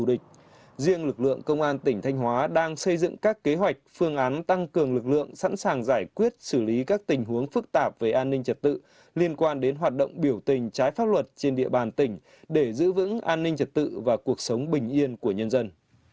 lực lượng công an tỉnh thanh hóa đang xây dựng các kế hoạch phương án tăng cường lực lượng sẵn sàng giải quyết xử lý các tình huống phức tạp về an ninh trật tự liên quan đến hoạt động biểu tình trái pháp luật trên địa bàn tỉnh để giữ vững an ninh trật tự và cuộc sống bình yên của nhân dân